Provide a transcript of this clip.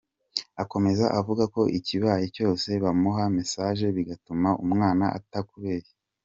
Akomeza avuga ko ikibaye cyose bamuha message bigatuma umwana atakubeshya.